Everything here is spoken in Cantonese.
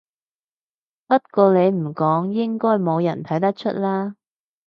不過你唔講應該冇人睇得出啦